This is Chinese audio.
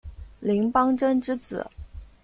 林邦桢之子。